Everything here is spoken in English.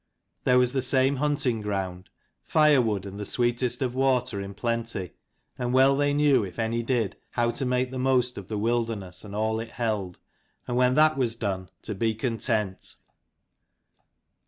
There was the same hunting ground; firewood and the sweetest of water in plenty; and well they knew, if any did, how to make the most of the wilderness and all it held, and when that was done to be content.